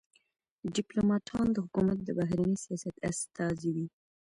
ډيپلوماټان د حکومت د بهرني سیاست استازي وي.